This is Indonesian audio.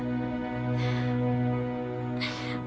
iis sudah berbuat dosa